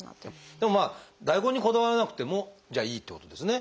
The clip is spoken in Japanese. でもまあ大根にこだわらなくてもじゃあいいってことですね。